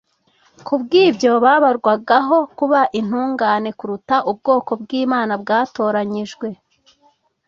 kubw’ibyo babarwagaho kuba intungane kuruta ubwoko bw’Imana bwatoranyijwe